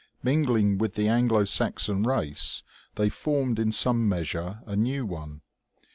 Mingling with the Anglo Saxon race, they formed in some measure a new one.